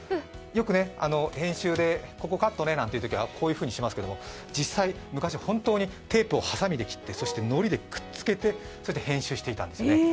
編集でここカットなんていうときはこういうふうにしますけど実際、昔、本当にテープをはさみで切ってそしてのりでくっつけて編集していたんですよね。